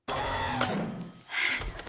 はあ。